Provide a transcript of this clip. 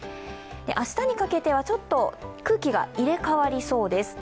明日にかけては、ちょっと空気が入れ替わりそうです。